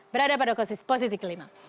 berada pada posisi kelima